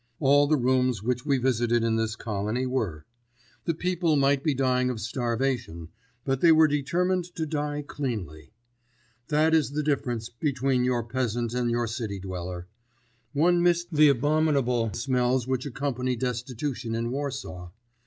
All the rooms which we visited in this colony were. The people might be dying of starvation, but they were determined to die cleanly. That is the difference between your peasant and your city dweller. One missed the abominable smells which accompany destitution in Warsaw.